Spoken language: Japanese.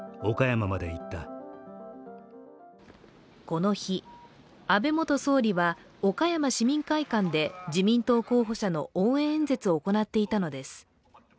この日、安倍元総理は岡山市民会館で自民党候補者の応援演説を行っていたのです。